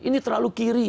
ini terlalu kiri